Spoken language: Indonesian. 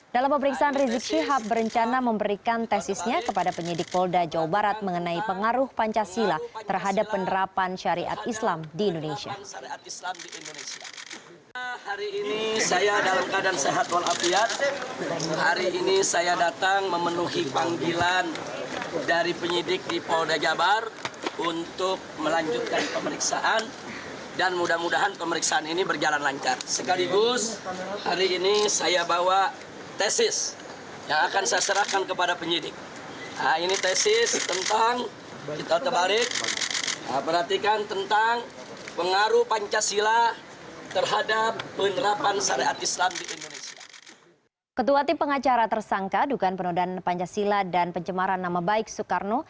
dalam pemeriksaan rizik shihab rizik shihab tidak datang dengan alasan kelelahan